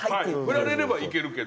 振られればいけるけど。